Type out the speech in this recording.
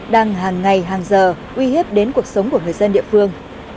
đang hàng ngày hàng giờ uy hiếp đến cuộc sống của người dân địa phương